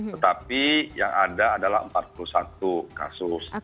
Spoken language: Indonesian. tetapi yang ada adalah empat puluh satu kasus